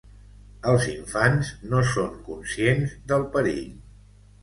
Els infants no són conscients del perill.